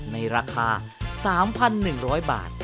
ในราคา๓๑๐๐บาท